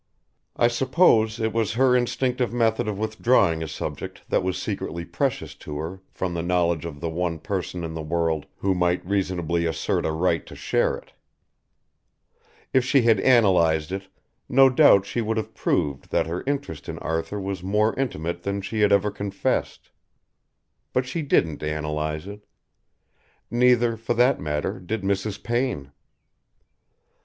I suppose it was her instinctive method of withdrawing a subject that was secretly precious to her from the knowledge of the one person in the world who might reasonably assert a right to share it. If she had analysed it, no doubt she would have proved that her interest in Arthur was more intimate than she had ever confessed. But she didn't analyse it. Neither, for that matter, did Mrs. Payne.